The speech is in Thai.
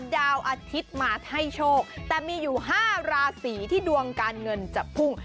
ดาวอาทิตย์มาให้โชคแต่มีอยู่๕ราศีที่ดวงการเงินจะพุ่ง